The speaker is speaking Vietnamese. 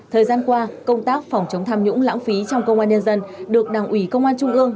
thời gian qua công tác phòng chống tham nhũng lãng phí trong công an nhân dân được đảng ủy công an trung ương